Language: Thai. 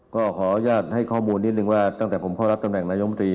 ก็ขออนุญาตให้ข้อมูลนิดนึงว่าตั้งแต่ผมเข้ารับตำแหน่งนายมตรี